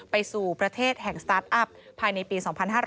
ไปสู่ประเทศแห่งสตาร์ทอัพภายในปี๒๕๕๙